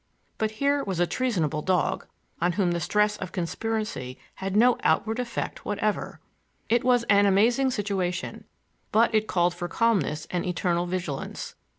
But here was a treasonable dog on whom the stress of conspiracy had no outward effect whatever. It was an amazing situation, but it called for calmness and eternal vigilance.